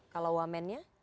kalau woman nya